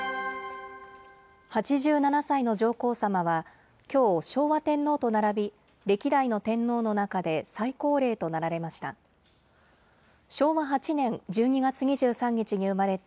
８７歳の上皇さまは、きょう昭和天皇と並び、歴代の天皇の中で最高齢となられました。